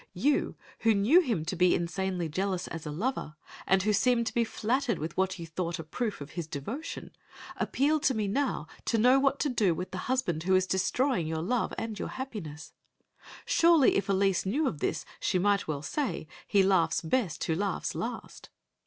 You, who knew him to be insanely jealous as a lover, and who seemed to be flattered with what you thought a proof of his devotion, appeal to me now to know what to do with the husband who is destroying your love and your happiness! Surely, if Elise knew of this she might well say, "He laughs best who laughs last."